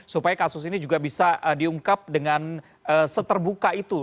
supaya kasus ini juga bisa diungkap dengan seterbuka itu